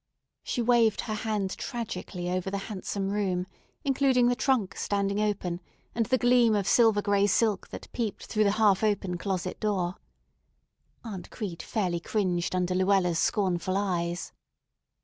She waved her hand tragically over the handsome room, including the trunk standing open, and the gleam of silver gray silk that peeped through the half open closet door. Aunt Crete fairly cringed under Luella's scornful eyes.